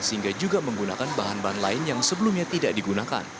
sehingga juga menggunakan bahan bahan lain yang sebelumnya tidak digunakan